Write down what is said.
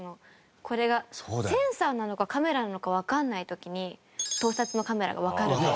これがセンサーなのかカメラなのかわからない時に盗撮のカメラがわかるとか。